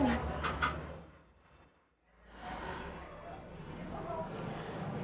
apa ibu masih ingat